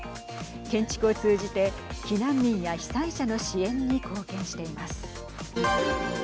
建築を通じて避難民や被災者の支援に貢献しています。